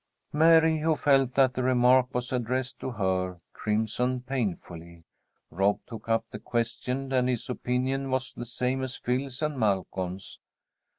Mary, who felt that the remark was addressed to her, crimsoned painfully. Rob took up the question, and his opinion was the same as Phil's and Malcolm's.